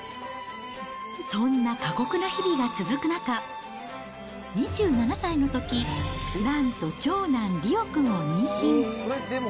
そんな過酷な日々が続く中、２７歳のとき、なんと長男、リオ君を妊娠。